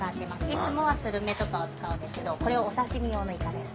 いつもはスルメとかを使うんですけどこれはお刺し身用のイカです